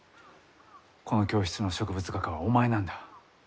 この教室の植物画家はお前なんだ。